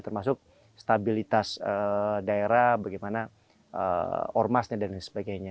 termasuk stabilitas daerah bagaimana ormasnya dan sebagainya